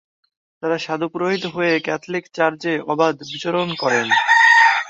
তারা সাধু-পুরোহিত হয়ে ক্যাথলিক চার্চে অবাধ বিচরণ করেন।